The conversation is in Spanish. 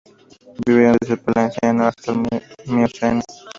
Vivieron desde el Paleoceno hasta el Mioceno.